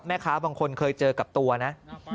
แม่ค้าบางคนเคยเจอกับตัวนะ